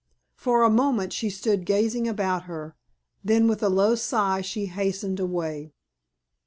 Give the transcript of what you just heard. For a moment she stood gazing about her, then with a low sigh she hastened away.